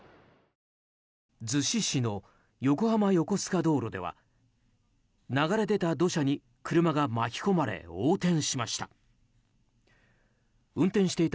逗子市の横浜横須賀道路では流れ出た土砂に車が巻き込まれ横転しました。